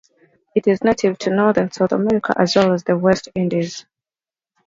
It is native to North and South America, as well as the West Indies.